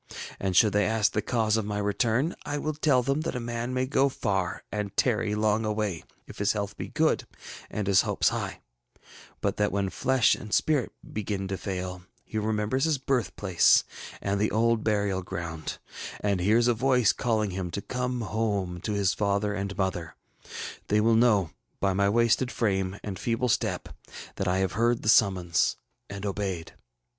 And should they ask the cause of my return, I will tell f hem that a man may go far and tarry long away, if his health be good and his hopes high; but that when flesh and spirit begin to fail, he remembers his birthplace and the old burial ground, and hears a voice calling him to cone home to his father and mother. They will know, by my wasted frame and feeble step, that I have heard the summons and obeyed.